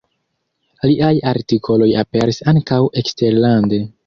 Liaj artikoloj aperis ankaŭ eksterlande.